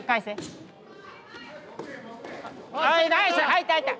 入った入った。